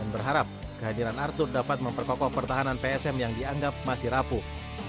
berharap kehadiran arthur dapat memperkokoh pertahanan psm yang dianggap masih rapuh